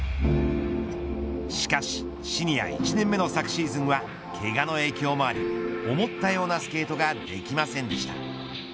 しかし、シニア１年目の昨シーズンはけがの影響もあり思ったようなスケートができませんでした。